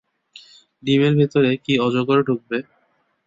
ডিমের ভিতরে কি অজগর ডুকবে!